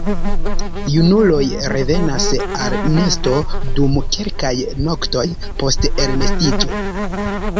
Junuloj revenas al nesto dum kelkaj noktoj post elnestiĝo.